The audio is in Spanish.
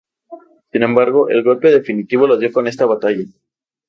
Sin embargo, el golpe definitivo lo dio con esta batalla.